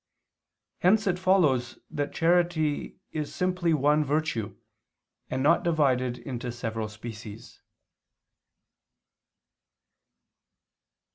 Hence it follows that charity is simply one virtue, and not divided into several species.